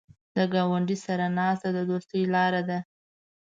د ګاونډي سره ناسته د دوستۍ لاره ده